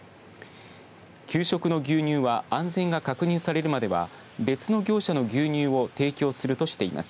給食の牛乳は安全が確認されるまでは別の業者の牛乳を提供するとしています。